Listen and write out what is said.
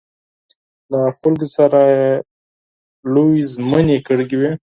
له خلکو سره لویې ژمنې کړې وې.